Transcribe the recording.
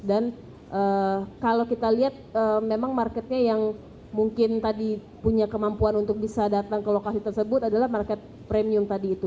dan kalau kita lihat memang marketnya yang mungkin tadi punya kemampuan untuk bisa datang ke lokasi tersebut adalah market premium tadi itu